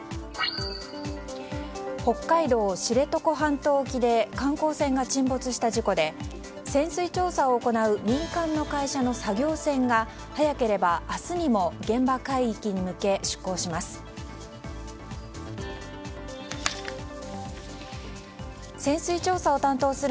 北海道知床半島沖で観光船が沈没した事故で潜水調査を行う民間の会社の作業船が早ければ明日にも現場海域に向け出航します。